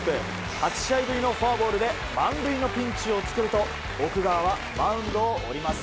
８試合ぶりのフォアボールで満塁のピンチを作ると奥川はマウンドを降ります。